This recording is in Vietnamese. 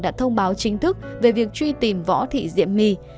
đã thông báo chính thức về việc truy tìm võ thị diệm my